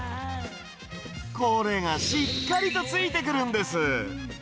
これがしっかりとついてくるんです。